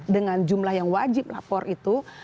dengan jumlah yang wajib lapor itu